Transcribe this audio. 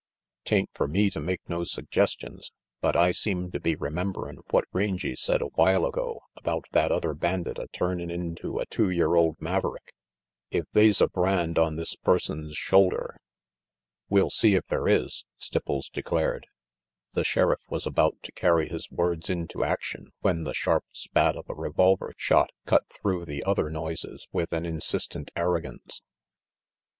'Tain't fer me to make no suggestions, but I seem to be rememberin' what Rangy said a while ago about that other bandit a turnin' into a two year old maverick. If they's a brand on this person's shoulder " "We'll see if there is," Stipples declared. The Sheriff was about to carry his words into action when the sharp spat of a revolver shot cut through the other noises with an insistent arrogance.